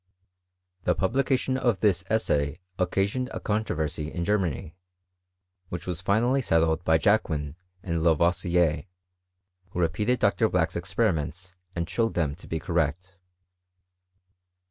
— ^The publication of this essay occasioned a controversy in Germany, which was finally settled by Jacquin and Lavoisier, who repeated Dr. Black's experiments and showed them to be correct.